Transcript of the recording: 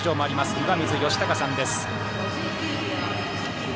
岩水嘉孝さんです。